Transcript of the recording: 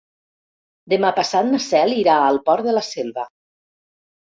Demà passat na Cel irà al Port de la Selva.